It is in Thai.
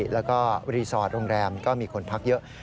แล้วก็รีสอร์ทโรงแรมก็มีคนพักเยอะ